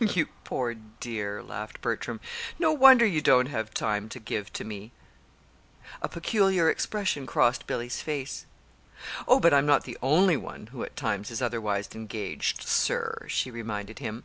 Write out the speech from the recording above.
"You poor dear," laughed Bertram. "No wonder you don't have time to give to me!" A peculiar expression crossed Billy's face. "Oh, but I'm not the only one who, at times, is otherwise engaged, sir," she reminded him.